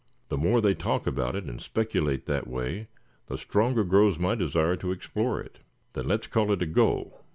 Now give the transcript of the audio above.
The more they talk about it, and speculate that way, the stronger grows my desire to explore it." "Then let's call it a go.